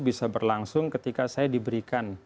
bisa berlangsung ketika saya diberikan